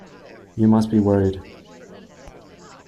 You must be worried.